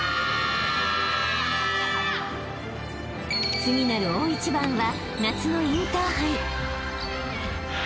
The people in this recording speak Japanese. ［次なる大一番は夏のインターハイ］